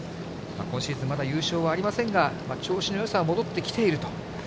今シーズン、まだ優勝はありませんが、調子のよさは戻ってきていると。